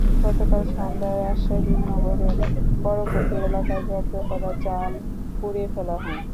গতকাল সন্ধ্যায় রাজশাহী নগরের বড়কুঠি এলাকায় জব্দ করা জাল পুড়িয়ে ফেলা হয়।